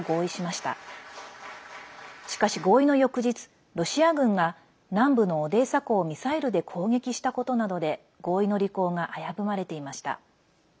しかし、合意の翌日ロシア軍が南部のオデーサ港をミサイルで攻撃したことなどで合意の履行が危ぶまれていました。